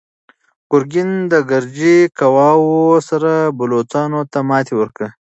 ګورګین د ګرجي قواوو سره بلوڅانو ته ماتې ورکړه.